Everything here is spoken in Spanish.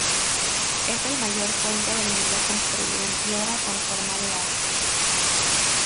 Es el mayor puente del mundo construido en piedra con forma de arco.